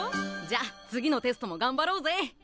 じゃあ次のテストもがんばろうぜ！